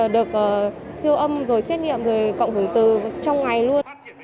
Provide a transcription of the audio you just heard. được siêu âm rồi xét nghiệm rồi cộng hưởng từ trong ngày luôn